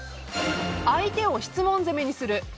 相手を質問攻めにする。